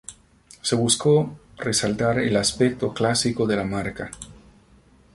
Se buscó resaltar el aspecto clásico de la marca.